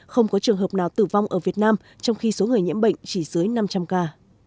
không có trường hợp nào tử vong ở việt nam trong khi số người nhiễm bệnh chỉ dưới năm trăm linh ca